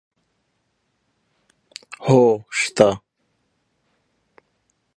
په افغانستان کې د اوړي منابع شته.